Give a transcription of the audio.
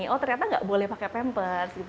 oh ternyata nggak boleh pakai pampers gitu